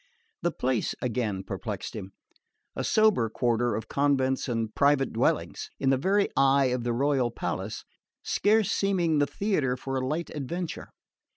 The place, again, perplexed him: a sober quarter of convents and private dwellings, in the very eye of the royal palace, scarce seeming the theatre for a light adventure.